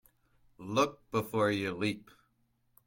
Look before you leap.